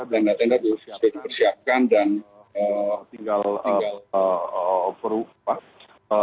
tenda tenda sudah dipersiapkan dan tinggal perubahan